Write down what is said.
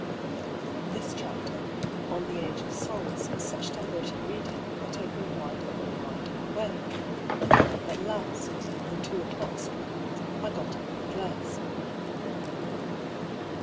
This chapter " On the Age of Souls " was such di ^ verting reading, that I grew wider and wider awake. At last, when two o'clock struck, I got up and dressed.